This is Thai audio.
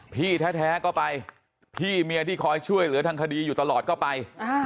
พี่แท้ก็ไปพี่เมียที่คอยช่วยเหลือทางคดีอยู่ตลอดก็ไป